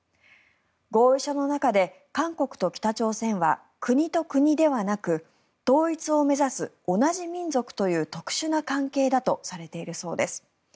合意書の中で韓国と北朝鮮は、国と国ではなく統一を目指す同じ民族という特殊な関係だとされているそうです。